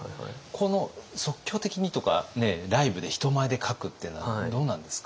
この即興的にとかねライブで人前で描くっていうのはどうなんですか？